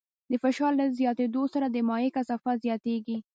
د فشار له زیاتېدو سره د مایع کثافت زیاتېږي.